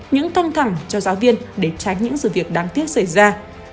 những căng thẳng cho giáo viên để tránh những sự việc đáng tiếc xảy ra